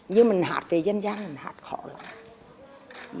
nhưng mà hạt về dân gian là hạt khó lắm